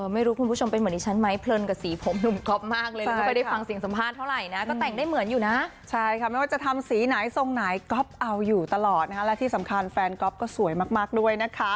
ไม่รู้คุณผู้ชมเป็นเหมือนดิฉันไหมเพลินกับสีผมหนุ่มก๊อฟมากเลยไม่ค่อยได้ฟังเสียงสัมภาษณ์เท่าไหร่นะก็แต่งได้เหมือนอยู่นะใช่ค่ะไม่ว่าจะทำสีไหนทรงไหนก๊อฟเอาอยู่ตลอดนะคะและที่สำคัญแฟนก๊อฟก็สวยมากด้วยนะคะ